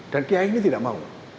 dan kiai ini tidak mau